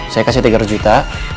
saya kasih tiga ratus juta